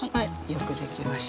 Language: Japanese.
よくできました？